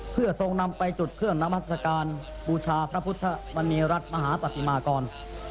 เพื่อทรงนำไปจุดเครื่องนามัศกาลบูชาพระพุทธมณีรัฐมหาปฏิมากร